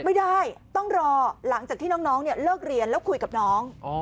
ไม่ได้ต้องรอหลังจากที่น้องเลิกเรียนแล้วคุยกับน้อง